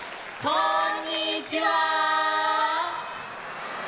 こんにちは！